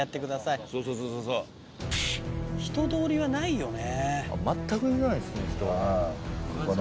人通りがないよね。